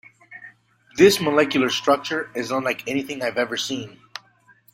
This molecular structure is unlike anything I've ever seen.